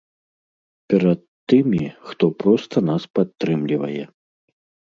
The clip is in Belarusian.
Перад тымі, хто проста нас падтрымлівае.